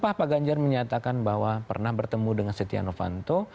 di bawah sumpah pak ganjar menyatakan bahwa pernah bertemu dengan setiano panto